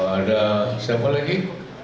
ada siapa lagi